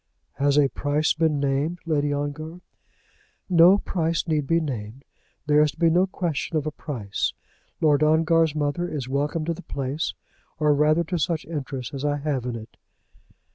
"Has a price been named, Lady Ongar?" "No price need be named. There is to be no question of a price. Lord Ongar's mother is welcome to the place, or rather to such interest as I have in it."